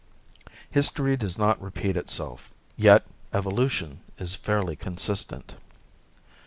History does not repeat itself, yet evolution is fairly consistent.